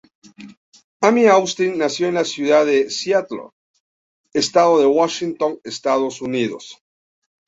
Amy Austin nació en la ciudad de Seattle, estado de Washington, Estados Unidos.